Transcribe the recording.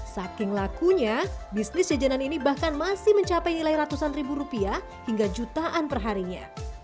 saking lakunya bisnis jajanan ini bahkan masih mencapai nilai ratusan ribu rupiah hingga jutaan perharinya